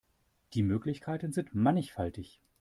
Die Möglichkeiten sind mannigfaltig.